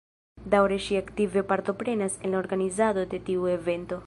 Daŭre ŝi aktive partoprenas en la organizado de tiu evento.